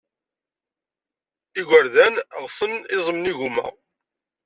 Igerdan ɣsen iẓem n yigumma.